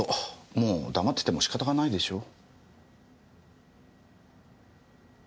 もう黙ってても仕方がないでしょう？